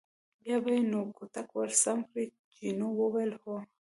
بیا به یې نو کوتک ور سم کړ، جینو وویل: هو.